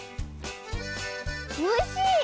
おいしい！